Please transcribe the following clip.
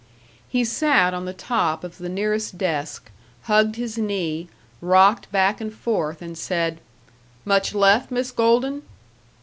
He sat on the top of the nearest desk, hugged his knee, rocked back and forth, and said, "Much left, Miss Golden?"